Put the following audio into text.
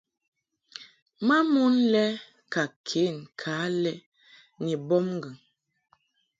Ma mon le ken ka lɛ ni bɔbŋgɨŋ.